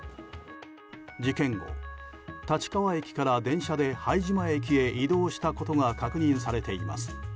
事件後、立川駅から電車で拝島駅へ移動したことが確認されています。